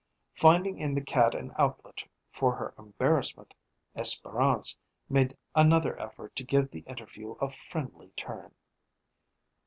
Finding in the cat an outlet for her embarrassment, Espérance made another effort to give the interview a friendly turn.